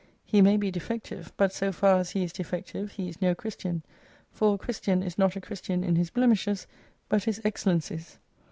He may be defective, but so far as he is defective he is no Christian, for a Christian is not a Christian in his blemishes, but his excellencies.